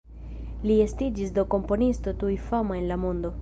Li estiĝis do komponisto tuj fama en la mondo.